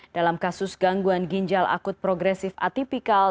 dalam kasus gangguan ginjal akut progresif atipikal